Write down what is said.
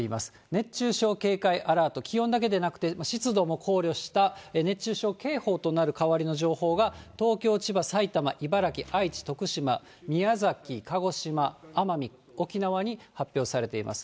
熱中症警戒アラート、気温だけでなくて、湿度も考慮した熱中症警報となる代わりの情報が、東京、千葉、埼玉、茨城、愛知、徳島、宮崎、鹿児島、奄美、沖縄に発表されています。